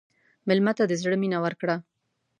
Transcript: مېلمه ته د زړه مینه ورکړه.